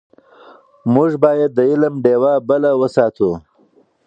موږ باید د علم ډېوه بله وساتو.